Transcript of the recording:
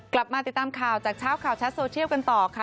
กลับมาติดตามข่าวจากเช้าข่าวชัดโซเชียลกันต่อค่ะ